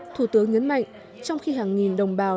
thủ tướng nhấn mạnh trong khi hàng nghìn đồng bào